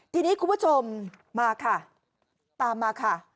ทีนี้คุณผู้ชมมาค่ะตามมาค่ะ